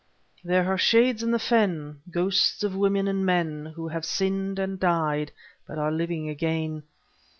There are shades in the fen; ghosts of women and men Who have sinned and have died, but are living again.